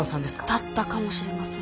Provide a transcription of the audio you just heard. だったかもしれません。